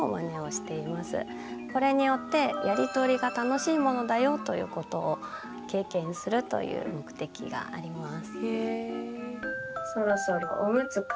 これによってやりとりが楽しいものだよということを経験するという目的があります。